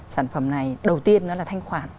sản phẩm này đầu tiên nó là thanh khoản